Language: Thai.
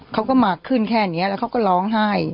เขาก็มาขึ้นแค่นี้แล้วเขาก็ร้องไห้